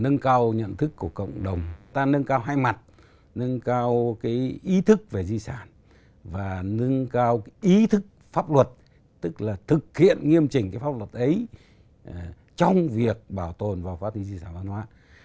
nâng cao nhận thức của cộng đồng ta nâng cao hai mặt nâng cao ý thức về di sản và nâng cao ý thức pháp luật tức là thực hiện nghiêm chỉnh cái pháp luật ấy trong việc bảo tồn và phát triển di sản văn hóa